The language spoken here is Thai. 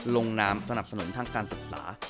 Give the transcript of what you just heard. ลงนามสนับสนุนทางการศึกษา